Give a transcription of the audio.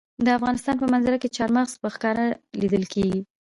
د افغانستان په منظره کې چار مغز په ښکاره لیدل کېږي.